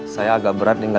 saya agak berat tinggal